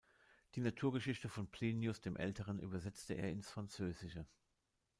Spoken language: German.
Die "Naturgeschichte" von Plinius dem Älteren übersetzte er ins Französische.